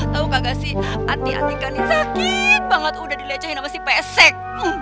tau gak sih hati hati kan ini sakit banget udah dilecehin sama si pesek